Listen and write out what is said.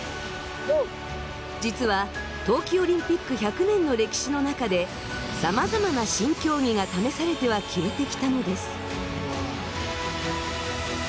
実は冬季オリンピック１００年の歴史の中でさまざまな新競技が試されては消えてきたのです。